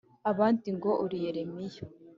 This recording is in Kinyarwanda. abandi ngo uri Yeremiya,